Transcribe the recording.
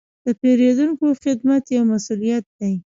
د پیرودونکو خدمت یو مسوولیت دی.